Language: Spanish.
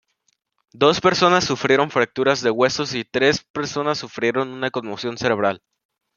Dos personas sufrieron fracturas de huesos, y tres personas sufrieron una conmoción cerebral.